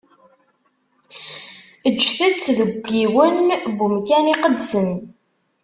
Eǧǧet-tt deg yiwen n umkan iqedsen.